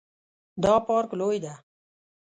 دا پارک لوی ده